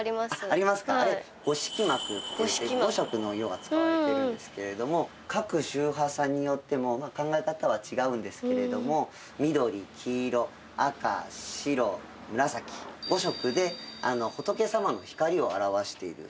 あれ五色幕っていって５色の色が使われているんですけれども各宗派さんによっても考え方は違うんですけれども緑黄色赤白紫５色で仏様の光を表している。